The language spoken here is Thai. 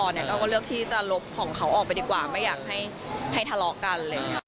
เราก็เลือกที่จะลบของเขาออกไปดีกว่าไม่อยากให้ทะเลาะกัน